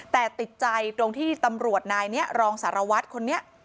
แต่ติดใจตรงที่ตำรวจนายนี้รองสารวัตรคนนี้